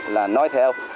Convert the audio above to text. là nói theo